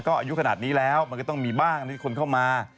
ก็อายุขนาดนี้แล้วมันก็ต้องมีบ้างที่คนเข้ามา